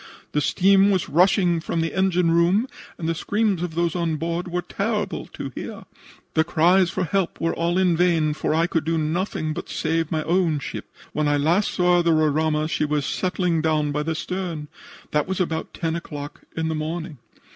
The steam was rushing from the engine room, and the screams of those on board were terrible to hear. The cries for help were all in vain, for I could do nothing but save my own ship. When I last saw the Roraima she was settling down by the stern. That was about 10 o'clock in the morning.